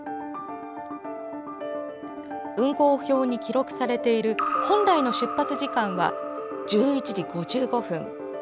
運行表に記録されている本来の出発時間は１１時５５分。